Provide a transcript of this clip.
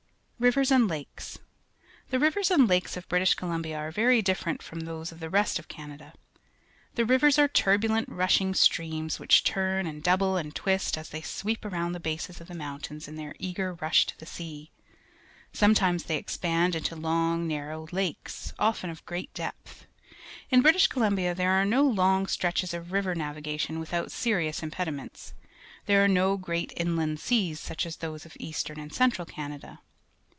Rivers and Lakes. — The rivers and lakes of British Columbia are A'ery different from those of the rest of Canada. The rivers are turbulent, rushing streams, which turn and double and twist as thej' sweep around the bases of the mountains in their eager rush to the sea. Sometimes they expand into long, narrow lakes, often of great depth. In British Columbia there are no long stretches of river navigation without serious impediments. There are no great inland seas such as those of Eastern and Central Canada.